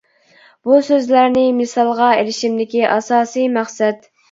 بۇ سۆزلەرنى مىسالغا ئېلىشىمدىكى ئاساسىي مەقسەت.